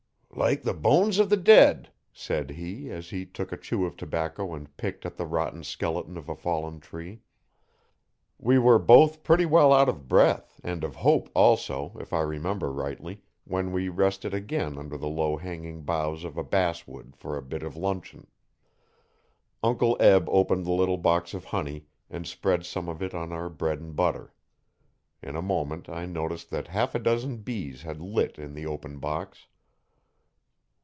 'Like the bones o' the dead,' said he, as he took a chew of tobacco and picked at the rotten skeleton of a fallen tree. We were both pretty well out of breath and of hope also, if I remember rightly, when we rested again under the low hanging boughs of a basswood for a bite of luncheon. Uncle Eb opened the little box of honey and spread some of it on our bread and butter. In a moment I noticed that half a dozen bees had lit in the open box.